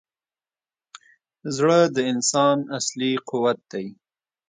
زړه د انسان اصلي قوت دی.